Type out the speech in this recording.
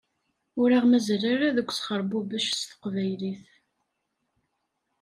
Ur aɣ-mazal ara deg wesxerbubec s teqbaylit.